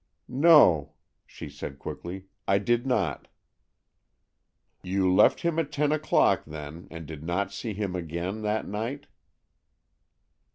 "No," she said quickly; "I did not." "You left him at ten o'clock, then, and did not see him again that night?"